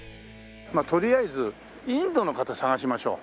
まあとりあえずインドの方探しましょう。